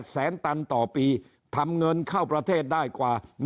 แสนตันต่อปีทำเงินเข้าประเทศได้กว่า